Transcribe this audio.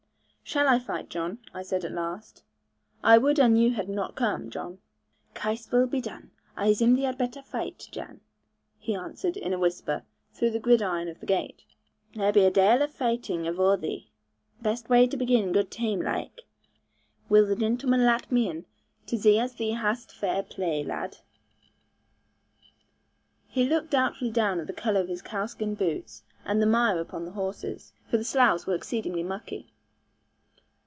'Shall I fight, John?' I said at last; 'I would an you had not come, John.' 'Chraist's will be done; I zim thee had better faight, Jan,' he answered, in a whisper, through the gridiron of the gate; 'there be a dale of faighting avore thee. Best wai to begin gude taime laike. Wull the geatman latt me in, to zee as thee hast vair plai, lad?' He looked doubtfully down at the colour of his cowskin boots, and the mire upon the horses, for the sloughs were exceedingly mucky.